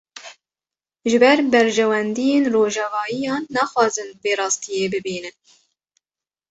Ji ber berjewendiyên rojavayiyan, naxwazin vê rastiyê bibînin